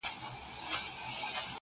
د تاریخي کرنې اوبه لږې وې.